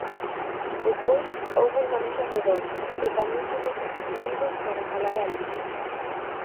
Despois houbo unha mesa redonda, e tamén fomos excluídos para falar alí.